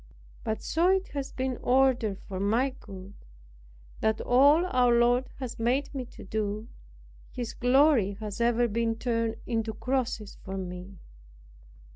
But so it has been ordered for my good, that all our Lord has made me to do His glory has ever been turned into crosses for me.